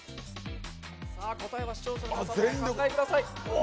答えは視聴者の皆さんも一緒にお考えください。